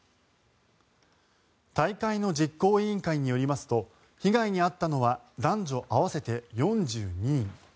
大会の実行委員会によりますと被害に遭ったのは男女合わせて４２人。